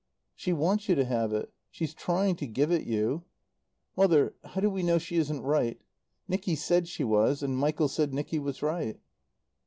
"She wants you to have it. She's trying to give it you. "Mother how do we know she isn't right? Nicky said she was. And Michael said Nicky was right.